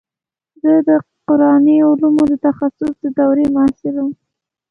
زه د قراني علومو د تخصص د دورې محصل وم.